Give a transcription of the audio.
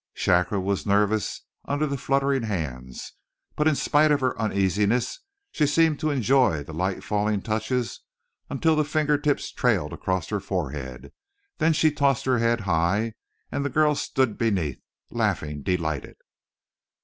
Shakra was nervous under the fluttering hands, but in spite of her uneasiness she seemed to enjoy the light falling touches until the finger tips trailed across her forehead; then she tossed her head high, and the girl stood beneath, laughing, delighted.